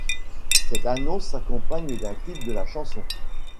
Cette annonce s'accompagne d'un clip de la chanson '.